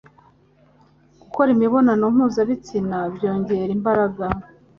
Gukora imibonano mpuzabitsina byongerera imbaraga